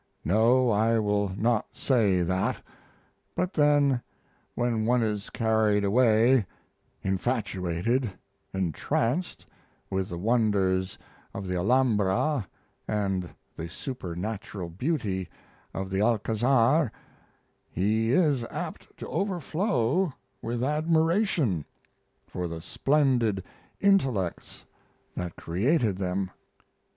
No, I will not say that but then when one is carried away, infatuated, entranced, with the wonders of the Alhambra and the supernatural beauty of the Alcazar, he is apt to overflow with admiration for the splendid intellects that created them.